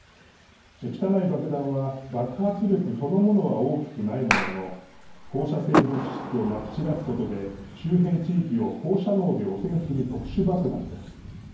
汚い爆弾は、爆発力そのものは大きくないものの放射性物質をまき散らすことで周辺地域を放射能で汚染する特殊爆弾です。